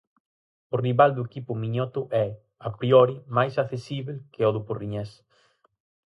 O rival do equipo miñoto é, a priori, máis accesíbel que o do porriñés.